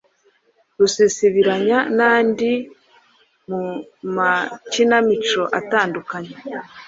Rusisibiranya n’andi mu makinamico atandukanye